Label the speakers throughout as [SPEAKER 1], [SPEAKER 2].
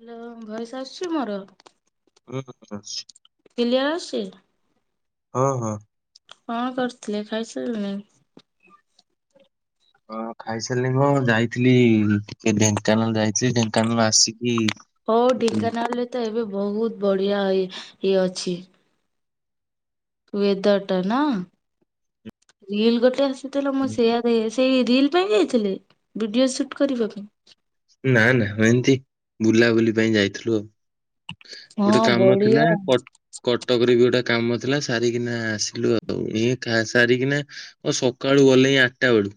[SPEAKER 1] Hello. Voice ଆସୁଚି ମୋର?
[SPEAKER 2] ହୁଁ ହୁଁ ଆସୁଚି।
[SPEAKER 1] କିଲିଅର ଅସୁଚି?
[SPEAKER 2] ହଁ ହଁ।
[SPEAKER 1] କଣ କରିୁଥିଲେ ଖାଇସାରିଲେଣି?
[SPEAKER 2] ହଁ ଖାଇସାରିଲିନି ମୁଁ ଯାଇଥିଲି ଟିକେ ଢେଙ୍କାନାଳ ଯାଇଥିଲି ଢେଙ୍କାନାଳରୁ ଆସିକି
[SPEAKER 1] ଓ ଢେଙ୍କାନାଳରେ ତ ଏବେ ବହୁତ ବଢିଆ ଇଏ ଅଛି। ୱେଦର ଟା ନା ରିଲ ଗୋଟେ ଆସିଥିଲା ମୋ ସେଆ [unintelligible] ସେଇ ରିଲ ପାଇଁ ଯାଇଥିଲେ ଭିଡିଓ ସୁଟ କରିବା ପାଇଁ?
[SPEAKER 2] ନା ନା ଏମତି ବୁଲାବୁଲି ପାଇଁ ଯାଇଥିଲୁ ଆଉ। ଗୋଟେ
[SPEAKER 1] ହଁ
[SPEAKER 2] କାମ ଥିଲା
[SPEAKER 1] ବଢିଆ
[SPEAKER 2] କ କଟକ ରେ ବି ଗୋଟେ କାମ ଥିଲା ସାରିକିନା ଆସିଲୁ ଆଉ। ସାରିକିନା ଅ ସକାଳୁ ଗଲେଇ ଆଠଟା ବେଳୁ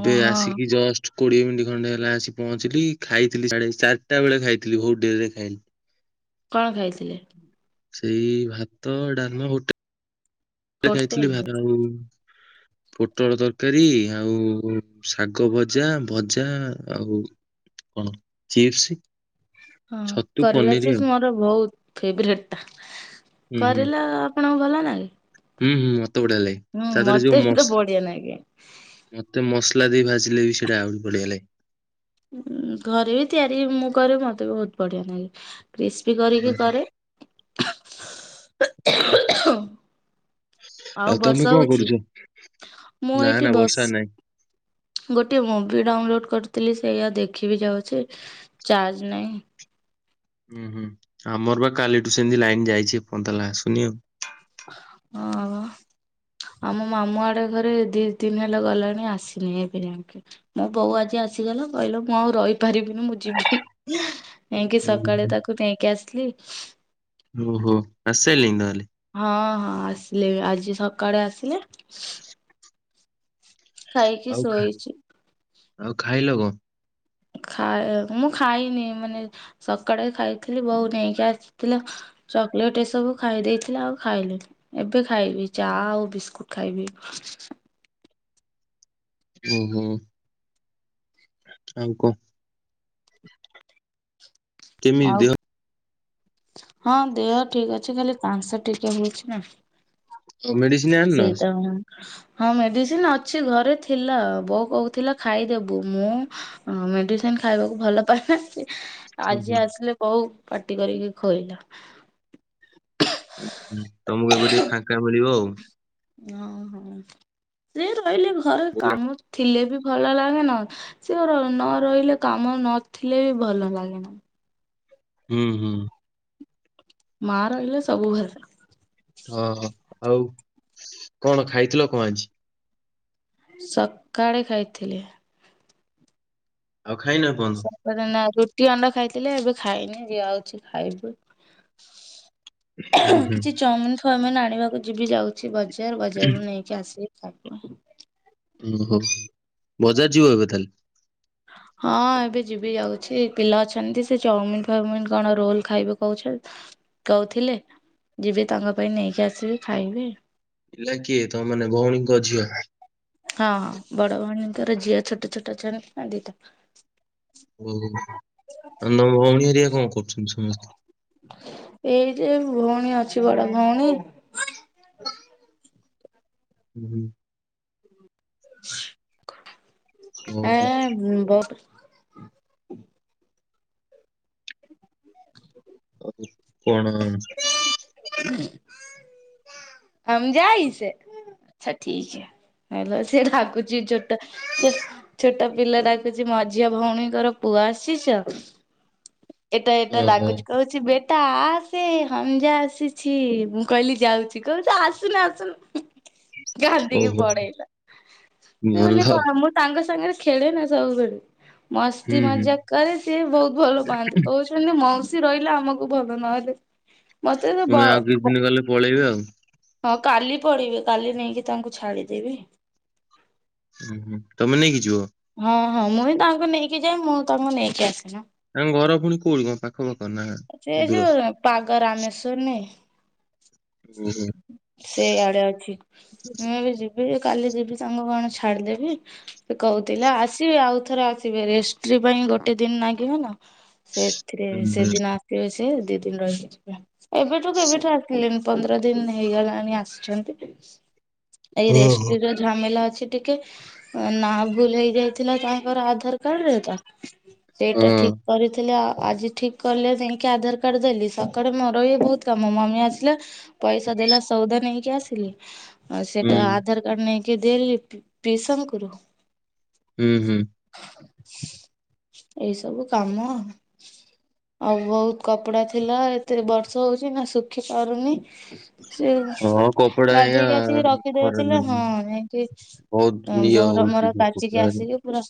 [SPEAKER 1] ହଁ ହଁ
[SPEAKER 2] ଆସିକି ଜଷ୍ଟ କୋଡିଏ ମିନିଟ୍ ଖଣ୍ଡେ ହେଲା ଆସି ପହଞ୍ଚିଲି ଖାଇଥିଲି ସାଢେ ଚାରିଟା ବେଳେ ଖାଇଥିଲି ବହୁତ ଡେରିରେ ରେ ଖାଇଲି।
[SPEAKER 1] କଣ ଖାଇଥିଲେ?
[SPEAKER 2] ସେଇ ଭାତ ଡାଲ ହୋଟେ ଯାଇଥିଲି
[SPEAKER 1] ହୋଟେଲରେ
[SPEAKER 2] ଭାର ଆଉ ପୋଟଳ ତର୍କାରୀ ଆଉ ଶାଗ ଭଜା ଭଜା ଆଉ ଅହ ଚିପ୍ସ୍।
[SPEAKER 1] ହଁ କରେଲା ଚିପ୍ସ୍ ମୋର ବୋହୁତ୍ ଫେବ୍ରେଟ୍ଟା
[SPEAKER 2] ହୁଁ ହୁଁ
[SPEAKER 1] କରେଲା ଆପଣଙ୍କୁ ଭନ ନାଗେ।
[SPEAKER 2] ହୁଁ ହୁଁ ମତେ ବଢିଆ ଲାଗେ।
[SPEAKER 1] ହୁଁ
[SPEAKER 2] ତା ଦେହରେ ଯୋଉ
[SPEAKER 1] ମତେ ବି
[SPEAKER 2] ମସ
[SPEAKER 1] ତ ବଢିଆ ନାଗେ।
[SPEAKER 2] ମତେ ମସ୍ଲା ଦେଇ ଭାଜିଲେ ବି ସେଟା ଆହୁରି ବଢିଆ ଲାଗେ।
[SPEAKER 1] ଘରେ ବି ତିଆରି ମୁଁ କରେ ମତେ ବି ବହୁତ ବଢିଆ ନାଗେ କ୍ରିସ୍ପି କରିକି
[SPEAKER 2] ହୁଁ
[SPEAKER 1] କରେ।
[SPEAKER 2] [inaudible] ଆଉ
[SPEAKER 1] ବର୍ଷା
[SPEAKER 2] ତମେ କଣ
[SPEAKER 1] ହଉଛି
[SPEAKER 2] କରୁଛ। ନା ନା ବର୍ଷା ନାଇଁ।
[SPEAKER 1] ଗୋଟିଏ ମୁଭି ଡାଉନ୍ଲୋଡ଼୍ କର୍ଥିଲି ସେଇଆ ଦେଖିବି ଯାଉଚି ଚାର୍ଜ ନାହିଁ।
[SPEAKER 2] ହୁଁ ହୁଁ ଆମର ବା କାଲିଠୁ ସେମ୍ତି ଲାଇନ୍ ଯାଇଚି ଏ ପର୍ଯ୍ୟନ୍ତ ଆସୁନି ଆଉ।
[SPEAKER 1] ହଁ ମ। ଆମ ମାମୁ ଆଡେ ଘରେ ଦି ତିନି ହେଲା ଗଲାଣି ଆସିନି ଏବେ ଯାକେ। ମୋ ବୋଉ ଆଜି ଆସିଗଲା କହିଲା ମୁଁ ଆଉ ରହିପାରିବିନି ମୁଁ ଯିବି। ଯାଇକି
[SPEAKER 2] ଓହୋ
[SPEAKER 1] ସକାଳେ ତାକୁ ନେଇକି ଆସ୍ଲି।
[SPEAKER 2] ଓହୋ ଆସ୍ସାଇଲେନି ତାହେଲେ।
[SPEAKER 1] ହଁ ହଁ ଆସିଲେ ଆଜି ସକାଳେ ଆସିଲେ। ଖାଇକି
[SPEAKER 2] ଆଉ ଖା
[SPEAKER 1] ଶୋଇଚି।
[SPEAKER 2] ଆଉ ଖାଇଲ କଣ।
[SPEAKER 1] ଖାଇ ମୁଁ ଖାଇନି ମାନେ ସକାଳେ ଖାଇଥିଲି ବୋଉ ନେଇକି ଆସିଥିଲା। ଚକ୍ଲେଟ୍ ଏସବୁ ଖାଇ ଦେଇଥିଲେ ଆଉ ଖାଇଲିନି। ଏବେ ଖାଇବି ଚା ଆଉ ବିସ୍କୁଟ୍ ଖାଇବି।
[SPEAKER 2] ଓହୋ। [unintelligible] କେମିତି
[SPEAKER 1] ଆଉ
[SPEAKER 2] ଦେହ
[SPEAKER 1] ହଁ ଦେହ ଠିକ୍ ଅଛି ଖାଲି କାଂଶ ଟିକେ ହେଇଚି ନା।
[SPEAKER 2] ମେଡିସିନ ଆଣିନ?
[SPEAKER 1] ସେଇଟା ହୁଁ। ହଁ ମେଡିସିନ ଅଛି ଘରେ ଥିଲା ବୋଉ କହୁଥିଲା ଖାଇଦେବୁ ମୁଁ ହଁ ମେଡିସିନ ଖାଇବାକୁ ଭଲ ପାହା ନ୍ତି।
[SPEAKER 2] ହୁଁ,
[SPEAKER 1] ଆଜି
[SPEAKER 2] ହୁଁ,
[SPEAKER 1] ଆସିଲେ ବୋଉ ପାଟି କରିକି ଖୋଇଲା।
[SPEAKER 2] ତମକୁ ଏବେ ଟିକେ ଫାଙ୍କା ମିଳିବ ଆଉ।
[SPEAKER 1] ହଁ ହଁ ସେ ରହିଲେ ଘରେ
[SPEAKER 2] ହ୍ୟାଲୋ।
[SPEAKER 1] କାମ ଥିଲେ ବି ଭଲ ଲାଗେନା ନ ରହିଲେ କାମ ନଥିଲେ ବି ଭଲ ଲାଗେନା।
[SPEAKER 2] ହୁଁ ହୁଁ।
[SPEAKER 1] ମା ରହିଲେ ସବୁ ଭଲ।
[SPEAKER 2] ହଁ ହ ଆଉ କଣ ଖାଇଥିଲ କଣ ଆଜି।
[SPEAKER 1] ସକାଳେ ଖାଇଥିଲି।
[SPEAKER 2] ଆଉ ଖାଇନା ଏପର୍ଯ୍ଯନ୍ତ।
[SPEAKER 1] ନା ରୁଟି ଅଣ୍ଡା ଖାଇଥିଲେ ଏବେ ଖାଇନି ଯାଉଛି ଖାଇବି।
[SPEAKER 2] ହୁଁ ହୁଁ।
[SPEAKER 1] ଚଉମିନ୍ ଥୁଉମିିନ୍ ଆଣିବାକୁ ଯିବି ଯାଉଛି ବଜାର ବଜାରରୁୁ ନେଇକି ଆସିକି ଖାଇବୁ।
[SPEAKER 2] ଓହୋ ବଜାର୍ ଯିବ ଏବେ ତାହାଲେ।
[SPEAKER 1] ହଁ ଏବେ ଯିବି ଯାଉଛି ପିଲା ଅଛନ୍ତି ସେ ଚାଉମିିନ ଫାଉମିିନ କଣ ରୋଲ ଖାଇବେ କହୁଛି। କହୁଥିଲେ ଯିବି ତାଙ୍କ ପାଇଁ ନେଇକି ଆସିବି ଖାଇବେ।
[SPEAKER 2] ପିଲା କିଏ ତ ମାନେ ଭଉଣୀଙ୍କ ଝିଅ।
[SPEAKER 1] ହଁଁ ବଡ ଭଉଣୀଙ୍କର ଝିଅ ଛୋଟ ଛୋଟ ଅଛନ୍ତିନା ଦିଟା।
[SPEAKER 2] ବୋଉ ଆଉ ତମ ଭଉଣୀ ହେରିଆ କଣ କରୁଛନ୍ତି ସମସ୍ତେ।
[SPEAKER 1] ଏଇ ଯେ ଭଉଣୀ ଅଛି ବଡ ଭଉଣୀ।
[SPEAKER 2] ହୁଁ। ଓହୋ
[SPEAKER 1] ଏଁ ବଟ୍
[SPEAKER 2] ଉ କଣ?
[SPEAKER 1] [unintelligible] ହମ ଯାଇସେ ଆଚ୍ଛା ଠିକ୍ ହେ। ହେଲେ ସେ ରାଗୁଚି ଛୋଟ ଛୋଟ ପିଲା ଡାକୁଚି ମଝିଆ ଭଉଣୀଙ୍କର ପୁଅ ଆସିଚ। ଏଟା ଏଟା
[SPEAKER 2] ଓହୋ
[SPEAKER 1] ଡାକୁଚି କହୁ ବେଟା ଆସେ ହମଜା ଆସିଛି ମୁଁ କହିଲି ଯାଉଚି କହୁଛ ଆସୁନୁ ଆସୁନୁ।
[SPEAKER 2] [inaudible]
[SPEAKER 1] କାନ୍ଦିକି
[SPEAKER 2] ଓହୋ
[SPEAKER 1] ପଡେଇଲା ସେ
[SPEAKER 2] ଭଲ
[SPEAKER 1] ମାନେ କଣ ମୁଁ ସାଙ୍ଗ ସାଙ୍ଗରେ ଖେଳେ ନା ସବୁବେଳେ
[SPEAKER 2] ହୁଁ
[SPEAKER 1] ମସ୍ତି
[SPEAKER 2] ହୁଁ
[SPEAKER 1] ମଜାକ୍ କରେ ସିଏ ବହୁତ ଭଲ ପାଆନ୍ତି। କହୁଛନ୍ତି ମଉସୀ ରହିଲେ ଆମକୁ ଭଲ ନହେଲେ। ମତେ ତ
[SPEAKER 2] ପୁଣି ଆଉ
[SPEAKER 1] ବ
[SPEAKER 2] କିଛି ଦିନ ଗଲେ ପଳେଇବେ ଆଉ
[SPEAKER 1] ହଁ କାଲି ପଳେଇବେ କାଲି ନେଇକି ତାଙ୍କୁ ଛାଡିଦେବି।
[SPEAKER 2] ଉ ହୁଁ ତମେ ନେଇକି ଯିବ?
[SPEAKER 1] ହଁ ହଁ ମୁଁ ହିଁ ତାଙ୍କୁ ନେଇକି ଯାଏ ମୁଁ ତାଙ୍କୁ ନେଇକି ଆସିନ।
[SPEAKER 2] ତାଙ୍କ ଘର ପୁଣି କୋଉଠି କଣ ପାଖ ପାଖ ନା ଦୂର?
[SPEAKER 1] ପାଗା ରାମେଶ୍ଵର ନୁହେ
[SPEAKER 2] ଓହୋ
[SPEAKER 1] ସେଇଆଡେ ଅଛି ମୁଁ ବି ଯି ବି କାଲି ଯିବି ତାଙ୍କୁ କଣ ଛାଡିଦେବି ସେ କହୁ ତିଲେ ଆସିବେ ଆଉ ଥରେ ଆସିବେ ରେଷ୍ଟ୍ରି ପାଇଁ ଗୋଟେ ଦିନ ନାଗିବ ନା। ସେଥିରେ
[SPEAKER 2] ହୁଁ ହୁଁ
[SPEAKER 1] ସେଦିନ ଆସିବ ସେ ଦି ଦିନ ରହିକି ଯିବେ, ଏବେଠୁ କେବେଠୁ ଆସିଲେନି? ପନ୍ଦର ଦିନ ହେଇଗଲାଣି ଆସିଛନ୍ତି ଏଇ
[SPEAKER 2] ଓହୋ
[SPEAKER 1] ରେଷ୍ଟ୍ରିର ଝାମେଲା ଅଛି ଟିକେ ଅ ନା ଭୁଲ ହେଇଯାଇଥିଲା ତାଙ୍କର ଆଧାର କାର୍ଡରେ ତ, ସେଟା
[SPEAKER 2] ହଁ
[SPEAKER 1] ଠିକ୍ କରିଥିଲେ ଆ ଆଜି ଠିକ କଲେ ଯାଇଁକି ଆଧାର କାର୍ଡ ଦେଲି ସକାଳେ ମୋର ଇଏ ବହୁତ କାମ ମମି ଆସିଲା ପଇସା ଦେଲା ସଉଦା ନେଇକି ଆସିଲି। ଆଉ
[SPEAKER 2] ହୁଁ
[SPEAKER 1] ସେଟା ଆଧାର କାର୍ଡ ନେଇକି ଦେଲି ପି ପିସାଙ୍କୁରୁ।
[SPEAKER 2] ହୁଁ ହୁଁ।
[SPEAKER 1] ଏଇ ସବୁ କାମ ଆଉ ବହୁତ କପଡା ଥିଲା ଏତେ ବର୍ଷ ହଉଚି ନା ଶୁଖି ପାରୁନି ସେ
[SPEAKER 2] ହଁ କପଡା ଆଜ୍ଞା
[SPEAKER 1] ଗାଧେଇ ଆସିକି ରଖିଦେଉଥିଲେ ହଁ ଯାଇକି
[SPEAKER 2] ବଉତ ନିଅ ହଉଚି।
[SPEAKER 1] ପାଚିକି ଆସିକି ପୁରା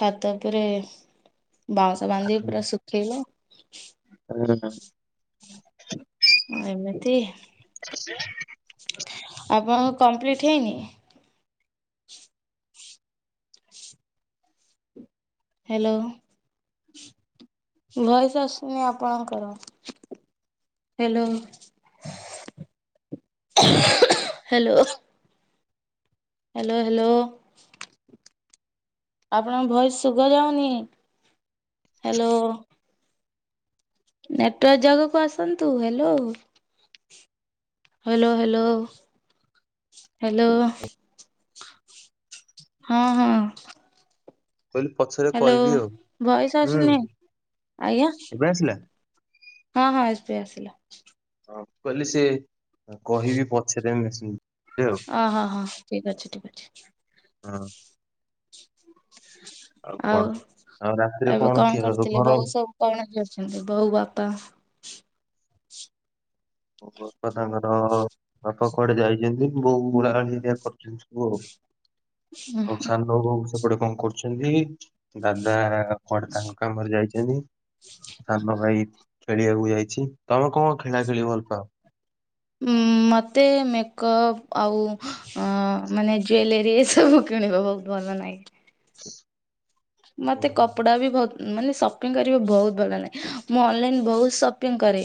[SPEAKER 1] ଛାତ ଉପରେ ବାଉଁଶ ବାନ୍ଧିକି ପୁରା ସୁ ଉଠେଇଲା।
[SPEAKER 2] ହୁଁ [inaudible]
[SPEAKER 1] ଏମିତି
[SPEAKER 2] [unintelligible]
[SPEAKER 1] ଆପଣଙ୍କ କମ୍ପ୍ଲିଟ ହେଇନି? ହ୍ୟାଲୋ ଭଏସ ଆସୁନି ଆପଣଙ୍କର? Hello hello. Hello hello. ଆପଣଙ୍କ ଭଏସ ଶୁଗାଯାଉନି ହ୍ୟାଲୋ। ନେଟୱାର୍କ ଜାଗାକୁ ଆସନ୍ତୁ ହ୍ୟାଲୋ। Hello hello hello. ହଁ ହଁ।
[SPEAKER 2] କହିଲି ପଛେ
[SPEAKER 1] ହ୍ୟାଲୋ ଭଏସ ଆସୁନି ଆଜ୍ଞା।
[SPEAKER 2] ଏବେ ଆସିଲା।
[SPEAKER 1] ହଁ ହଁ ଆସୁଛି ଆସିଲା।
[SPEAKER 2] ହଁ କହିଲି ସିଏ କହିବି ପଛେରେ ମୁଁ ସେଇ
[SPEAKER 1] ଆ ହା ହା ଠିକ୍ ଅଛି ଠିକ୍ ଅଛି।
[SPEAKER 2] ହଁ।
[SPEAKER 1] ଆଉ
[SPEAKER 2] ଆଉ ରାତିରେ
[SPEAKER 1] ଏବେ
[SPEAKER 2] ଖିଆ
[SPEAKER 1] କଣ
[SPEAKER 2] ହବ
[SPEAKER 1] କରୁଥିଲେ
[SPEAKER 2] ଘର
[SPEAKER 1] ବଉ ସବ୍ କଣ କରୁଛନ୍ତି, ବୋଉ, ବାପା?
[SPEAKER 2] ବାପା ତାଙ୍କର ବାପା କୁଆଡେ ଯାଇଚନ୍ତି। ବୋଉ ଗୁହାଳ ହେରିକା କରୁଛନ୍ତି ସବୁ ଆଉ ଆଉ ସା ନ ବୋଉ ସେପଟେ କଣ କରୁଛନ୍ତି। ଦାଦା କୁଆଡେ ତାଙ୍କ୍ କାମରେ ଯାଇଛନ୍ତି। ସାନ ଭାଇ ଖେଳିବାକୁ ଯାଇଛି। ତମେ କଣ ଖେଳା ଖେଳି ଭଲ୍ ହ।
[SPEAKER 1] ମତେ ମେକଅପ୍ ଆଉ ଅଁ ମାନେ ଜ୍ୟୁଲେରୀ ଏ ସବୁ କିଣିବା ବହୁତ୍ ଭଲ ଲାଗେ।
[SPEAKER 2] ହ
[SPEAKER 1] ମତେ କପଡା ବି ବହୁତ୍ ମାନେ ସପିଙ୍ଗ୍ କରିବା ବହୁତ ଭଲଲାଗେ। ମୁଁ ଅନଲାଇନ୍ ବହୁତ ସପିଙ୍ଗ୍ କରେ।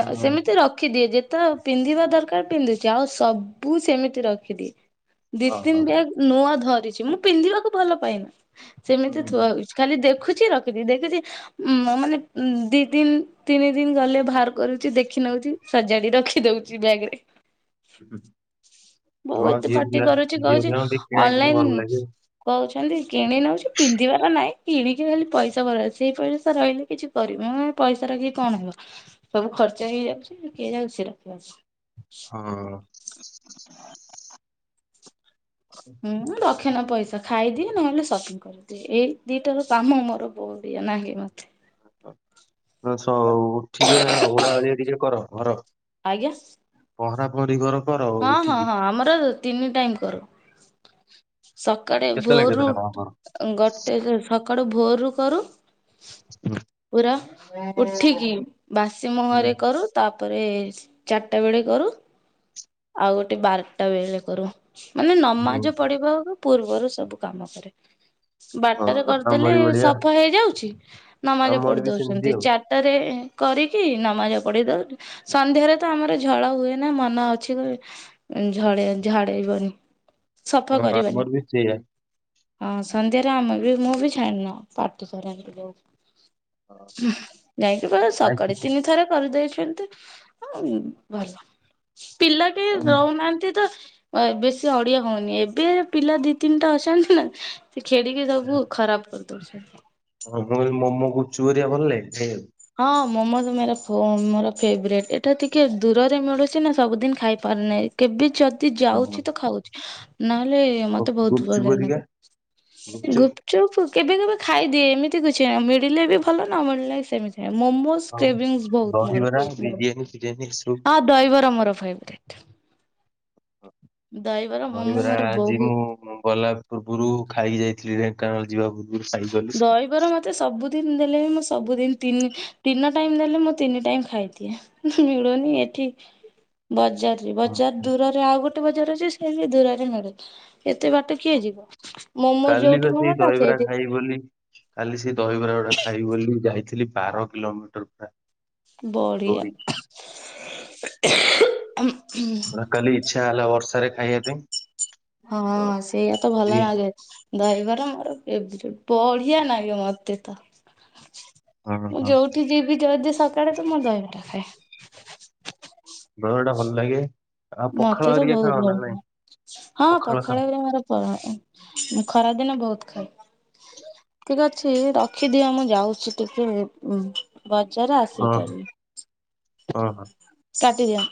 [SPEAKER 2] ହଁ
[SPEAKER 1] ସେମିତି ରଖିଦିଏ ଯେତ୍ ତ ପିନ୍ଧିବା ଦରକାର ପିନ୍ଧୁଚି। ଆଉ ସବୁ ସେମିତି ରଖଦିଏ। ଦି
[SPEAKER 2] ହଁ ହଁ।
[SPEAKER 1] ତିନି ବ୍ୟାଗ୍ ନୂଆ ଧରିଚି। ମୁଁ ପିନ୍ଧିବାକୁ ଭଲ ପାଏନି।
[SPEAKER 2] ହୁଁ,
[SPEAKER 1] ସେମିତି ଥୁଆ
[SPEAKER 2] ହୁଁ।
[SPEAKER 1] ହୋଇଚିୂ। ଖାଲି ଦେଖୁଚି ରଖୁଚି ଦେଖୁଚି। ଉଁ ମୋ ମାନେ ଦି ଦିନ ତିନି ଦିନ ଗଲେ ବାହାର କରୁଚି ଦେଖି ନଉଚି। ସଜାଡି ରଖି ଦଉଚି ବ୍ୟାଗ ରେ।
[SPEAKER 2] ହୁଁ ହୁଁ
[SPEAKER 1] ବୋଉ ଏତେ ପାଟି କରୁଚି
[SPEAKER 2] ଝିଅ
[SPEAKER 1] କହୁଚି
[SPEAKER 2] ପିଲାଙ୍କୁ ଟିକେ କିଣା କିଣି
[SPEAKER 1] ଅନଲାଇନ୍
[SPEAKER 2] ଭଲ ଲାଗେ।
[SPEAKER 1] କହୁଛନ୍ତି କିଣି ନଉଛି ପିନ୍ଧିବାର ନାଇଁ କିଣିକି ଖାଲି ପଇସା ବର୍ବାଦ ସେଇ ପଇସା ରହିଲେ କିଛି କରିିବି ମୁଁ ପଇସା ରଖିକି କଣ ହବ? ସବୁ ଖର୍ଚ ହେଇଯାଉଚି କିଏ ଯାଉଚି ରଖିବାକୁ।
[SPEAKER 2] ହଁ।
[SPEAKER 1] ହୁଁ ଦଶ୍ ରଖେନା ପଇସା ଖାଇଦିଏ ନହେଲେ ସପିଙ୍ଗ୍ କରିଦିଏ ଏଇ ଦିଟାର କାମ ମୋର ବଢ଼ିଆ ନାହିଁ ମତେ।
[SPEAKER 2] ସ ଉଠିକି ନା ଓଳା ଓଳି ଟିକେ କର ଘର।
[SPEAKER 1] ଆଜ୍ଞା।
[SPEAKER 2] ପହଁରା ପହଁରି କର।
[SPEAKER 1] ହଁ ହଁ
[SPEAKER 2] ଉଠିକି
[SPEAKER 1] ହଁ ଆମର ତିନି ଟାଇମ୍ କରୁ। ସକାଳେ
[SPEAKER 2] କେତେବେଳେ
[SPEAKER 1] ଭୋର୍ ରୁ
[SPEAKER 2] କେତେବେଳେ କଣ କର।
[SPEAKER 1] ଗଟେ ଯୋଉ ସକାଳୁ ଭୋର୍ ରୁୁ କରୁ। ପୁରା ଉଠିକି ବାସି
[SPEAKER 2] ହୁଁ
[SPEAKER 1] ମୁହଁରେ କରୁ। ତାପରେ ଚାରିଟା ବେଳେ କରୁ। ଆଉ ଗୋଟେ ବାରଟା ବେଳେ କରୁ। ମାନେ
[SPEAKER 2] ହୁଁ ହୁଁ।
[SPEAKER 1] ନମାଜ ପଢିବା ଆଗୁ ପୂର୍ବରୁ ସବୁ କାମ କରେ। ବାରଟା ରେ
[SPEAKER 2] ହଁ
[SPEAKER 1] କରିଦେଲେ
[SPEAKER 2] ଆମରି ଭଳିଆ
[SPEAKER 1] ସଫା ହେଇଯାଉଛି। ନମାଜ
[SPEAKER 2] ଆମର
[SPEAKER 1] ପଡି
[SPEAKER 2] ବି ସେମିତି
[SPEAKER 1] ଦଉଛନ୍ତି।
[SPEAKER 2] ଆଉ।
[SPEAKER 1] ଟରେ କରିକି ନମାଜ ପଢି ଦଉ। ସନ୍ଧ୍ୟାରେ ତ ଆମର ଝଳା ହୁଏ ନା ମନା ଅଛି। ଝଡେ ଝଡେଇବନି ସଫା
[SPEAKER 2] ହଁ
[SPEAKER 1] କରିବନି।
[SPEAKER 2] ଆମର ବି ସେଇଆ
[SPEAKER 1] ହଁ ସନ୍ଧ୍ୟାରେ ଆମେ ବି ମୁଁ ବି ଛାଣିନ ପାଟି କରନ୍ତି ବଉ।
[SPEAKER 2] ହଁ,
[SPEAKER 1] ଉଁ ଯାଇଁକି କର
[SPEAKER 2] ଆଉ
[SPEAKER 1] ସକାଳେ
[SPEAKER 2] କିଛି
[SPEAKER 1] ତିନି ଥର କରିଦେଇଛନ୍ତି। ହଁ ଭଲ ପିଲା କେହି
[SPEAKER 2] ଆଉ ମୁଁ
[SPEAKER 1] ରହୁନାହାନ୍ତି ତ? ବେଶୀ ଅଡିଆ ହଉନି। ଏବେ ପିଲା ଦି ତିନିଟା ଅଛନ୍ତି ନା। ସେ ଖେଡିକି ସବୁ ଖରାପ କରିଦଉଛନ୍ତି।
[SPEAKER 2] ହଁ ମୁଁ କହିଲି ମୋମୋ ଗୁପଚୁପ୍ ହେରିକା ଭଲ ଲାଗେ ଖାଇ ଆକୁ?
[SPEAKER 1] ହଁ ମୋମୋଜ୍ ମେରା ମୋର ଫେବରେଟ୍। ଏଇଟା ଟିକେ ଦୂରରେ ମିଳୁଚି ନା ସବୁଦିନ ଖାଇପାରୁନାଇଁ। କେବେ ଯଦି
[SPEAKER 2] ହଁ,
[SPEAKER 1] ଯାଉଛି ତ ଖାଉଚି। ନହେଲେ
[SPEAKER 2] ଆଉ
[SPEAKER 1] ମତେ ବହୁତ
[SPEAKER 2] ଗୁପଚୁପ
[SPEAKER 1] ଭଲ
[SPEAKER 2] ହେରିକା
[SPEAKER 1] ନାଗେ
[SPEAKER 2] ଗୁପଚୁପ
[SPEAKER 1] ଗୁପ୍ ଚୁପୁ କେବେ କେବେ ଖାଇଦିଏ ଏମିତି କିଛି ନାହିଁ ମିଳିଲେ ବି ଭଲ ନ ମିଳିଲେ ସେମିତି ନାହିଁ ମୋମୋଜ୍ ସ୍
[SPEAKER 2] ଆଉ
[SPEAKER 1] କ୍ରେଭିଙ୍ଗସ୍ ଭୋଉତ ମୋର
[SPEAKER 2] ଦହିବରା ବିରିୟାନୀ ଫିରିୟାନୀ ଏସବୁ
[SPEAKER 1] ହଁ ଦହିବରା ମୋର ଫେବ୍ରେଟ୍। ମୋମୋ
[SPEAKER 2] ଦହିବରା
[SPEAKER 1] ମୋର
[SPEAKER 2] ଆଜି
[SPEAKER 1] ବହୁତ
[SPEAKER 2] ମୁଁ ମୁଁ ଗଲା ପୂର୍ବୁରୁ ଖାଇକି ଯାଇଥିଲି ଢେଙ୍କାନାଳ ଯିବା ପୂର୍
[SPEAKER 1] ଦହିବରା ମତ୍ ତେ ସବୁଦିନ ଦେଲେ ବି ମୁଁ ସବୁଦିନ ତିନି ତିନ ଟାଇମ୍ ଦେଲେ ମୁଁ ତିନି ଟାଇମ ଖାଇଦିଏ। ଉଁ ହୁଁ ମିଳୁନି ଏଠି ବଜାରରେ ବଜାର ଦୂରରେ ଆଉ ଗୋଟ୍ ଟେ ବଜାର ଅଛି ସେ ବି ଦୂରରେ ମିଳେ ଏତେ ବାଟ କିଏ ଯିବ। ମୋମୋ
[SPEAKER 2] କାଲି
[SPEAKER 1] ଯୋଉଠି
[SPEAKER 2] ବା
[SPEAKER 1] ମିଳେ
[SPEAKER 2] ସେଇ
[SPEAKER 1] ନା
[SPEAKER 2] ଦହିବରା
[SPEAKER 1] ସେଇଠି
[SPEAKER 2] ଖାଇବି ବୋଲି କାଲି ସେ ଦହିବରା ଗୁରା ଖାଇବି ବୋଲି ଯାଇଥିଲି ବାର କିଲୋମିଟର ପୁରା।
[SPEAKER 1] ବଢିଆ।
[SPEAKER 2] ଦୌଡିକି। ପୁରା କାଲି ଇଚ୍ଛା ହେଲା ବର୍ଷାରେ ଖାଇଆ ପେଇଁ।
[SPEAKER 1] ହଁ ସେଇଆ ତ ଭଲ ନାଗେ। ଦହିବରା ମୋର ଫେବ୍ରେଟ ବଢିଆ ନାଗେ ମତେ ତ।
[SPEAKER 2] ହଁ
[SPEAKER 1] ମୁଁ
[SPEAKER 2] ହଁ।
[SPEAKER 1] ଯୋଉଠି ଯିବି ଯଦି ସକାଳେ ତ ମୁଁ ଦହିବରା ଖାଏ।
[SPEAKER 2] ଦହିବରାଟା ଭଲ ଲାଗେ। ଆଉ ପଖାଳ
[SPEAKER 1] ମତେ ତ
[SPEAKER 2] ହେରିକା
[SPEAKER 1] ବୋହୁତ
[SPEAKER 2] ଖାଅ ନା ନାଇଁ
[SPEAKER 1] ଭ [inaudible] ହଁ
[SPEAKER 2] ପଖାଳ ଖାଅ?
[SPEAKER 1] ପଖାଳରେ ମୋର [unintelligible] ମୁଁ ଖରାଦିନେ ବୋହୁତ ଖାଏ। ଠିକ୍ ଅଛି ରଖିଦିଅ ମୁଁ ଯାଉଛି ଟିକେ ଉଁ ବଜାରରୁ ଆସିକି
[SPEAKER 2] ହଁ ହଁ
[SPEAKER 1] କରିବି
[SPEAKER 2] ହଁ।
[SPEAKER 1] କାଟି ଦିଅ।